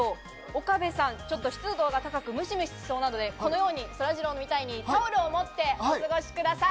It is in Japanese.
岡部さん、ちょっと湿度が高く、ムシムシしそうなので、このように、そらジローみたいにタオルを持ってお過ごしください。